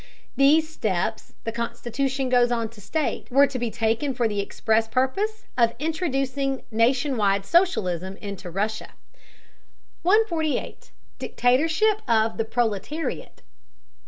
These steps, the constitution goes on to state, were to be taken for the express purpose of introducing nation wide socialism into Russia. 148. "DICTATORSHIP OF THE PROLETARIAT."